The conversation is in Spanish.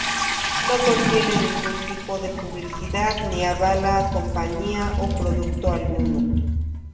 No contiene ningún tipo de publicidad ni avala compañía o producto alguno.